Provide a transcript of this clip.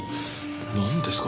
なんですか？